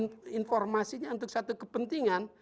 informasinya untuk satu kepentingan